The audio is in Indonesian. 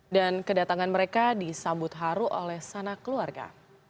dan kedatangan mereka disambut haru oleh sana keluarga